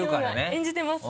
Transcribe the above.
演じてます